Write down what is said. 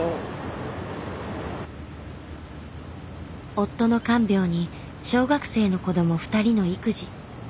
夫の看病に小学生の子ども２人の育児。